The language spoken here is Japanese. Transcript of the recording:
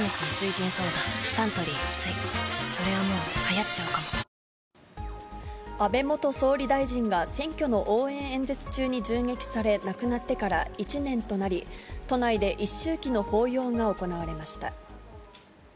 サントリー「翠」安倍元総理大臣が選挙の応援演説中に銃撃され、亡くなってから１年となり、都内で一周忌の法要が行われました。